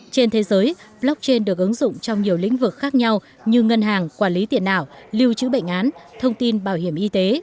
trên thế giới blockchain được ứng dụng trong nhiều lĩnh vực khác nhau như ngân hàng quản lý tiền ảo lưu trữ bệnh án thông tin bảo hiểm y tế